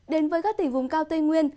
đến với các tỉnh vùng cao tây nguyên